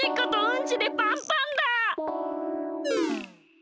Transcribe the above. ん？